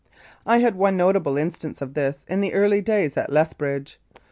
I had one notable instance of this in the early days at Lethbridge.